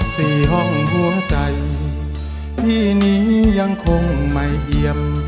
ห้องหัวใจพี่นี้ยังคงไม่เอี่ยม